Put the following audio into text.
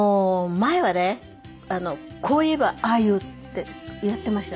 前はねこう言えばああ言うってやっていました。